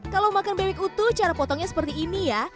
kalau makan bebek utuh cara potongnya seperti ini ya